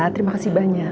terima kasih banyak